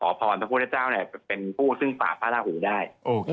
พอผ่อนทะพุทธเจ้าเป็นผู้ซึ่งฝาประระหูได้